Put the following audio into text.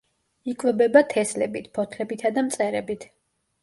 იკვებება თესლებით, ფოთლებითა და მწერებით.